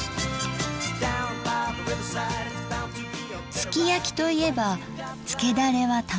すき焼きといえばつけだれは卵です。